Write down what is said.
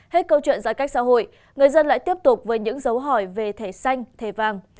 hết câu chuyện giãn cách xã hội người dân lại tiếp tục với những dấu hỏi về thẻ xanh thẻ vàng